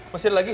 mas ian lagi